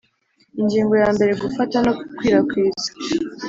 Ingingo ya mbere Gufata no gukwirakwiza